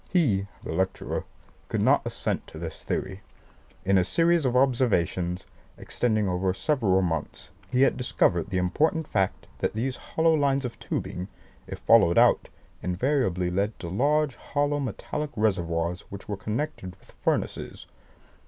He (the lecturer) could not assent to this theory. In a series of observations, extending over several months, he had discovered the important fact that these lines of tubing, if followed out, invariably led to large hollow metallic reservoirs which were connected with furnaces.